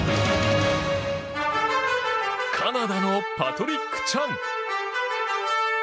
カナダのパトリック・チャン。